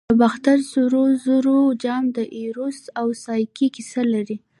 د باختر د سرو زرو جام د ایروس او سایکي کیسه لري